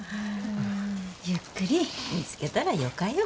ゆっくり見つけたらよかよ。